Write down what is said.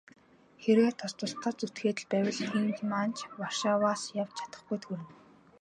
Хэрвээ тус тусдаа зүтгээд л байвал хэн маань ч Варшаваас явж чадахгүйд хүрнэ.